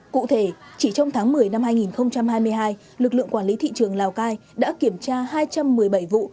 cụ thể chỉ trong tháng một mươi năm hai nghìn hai mươi hai lực lượng quản lý thị trường lào cai đã kiểm tra hai trăm một mươi bảy vụ